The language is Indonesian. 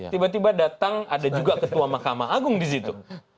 tiba tiba datang ada juga ketua mahkamah agung di situ